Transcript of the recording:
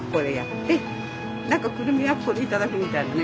何かくるみはここで頂くみたいなね